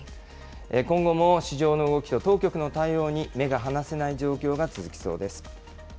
今後も市場の動きと当局の対応に目が離せない状況が続きそうです。